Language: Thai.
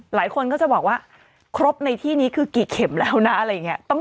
หลายคนก็จะบอกว่าครบในที่นี้คือกี่เข็มแล้วนะ